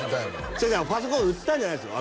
違う違うパソコン売ったんじゃないんですよ